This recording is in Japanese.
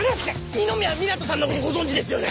二宮湊人さんのことご存じですよね？